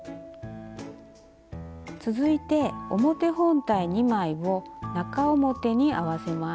続いて表本体２枚を中表に合わせます。